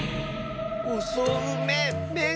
おそうめん？